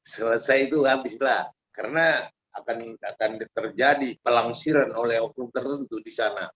selesai itu habislah karena akan terjadi pelangsiran oleh oknum tertentu di sana